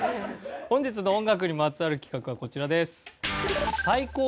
本日の音楽にまつわる企画はこちらです。